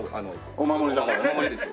お守りですよ。